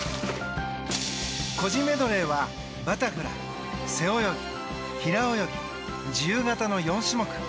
個人メドレーはバタフライ、背泳ぎ平泳ぎ、自由形の４種目。